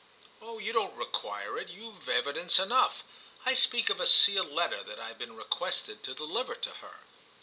"Oh you don't require it—you've evidence enough. I speak of a sealed letter that I've been requested to deliver to her."